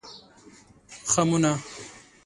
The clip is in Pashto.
خمونه